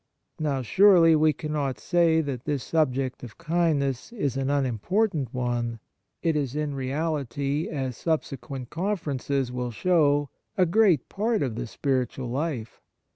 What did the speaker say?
Now, surely we cannot say that this subject of kindness is an unimportant one. On Kindness in General 43 It is in reality, as subsequent Conferences will show, a great part of the spiritual life.